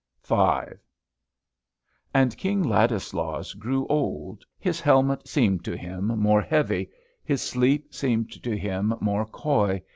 V. And King Ladislaus grew old. His helmet seemed to him more heavy. His sleep seemed to him more coy.